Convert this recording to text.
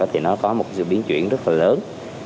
thì nó có một sự biến chuyển rất là lớn